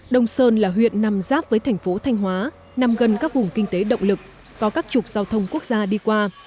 đông sơn là huyện nằm giáp với thành phố thanh hóa nằm gần các vùng kinh tế động lực có các trục giao thông quốc gia đi qua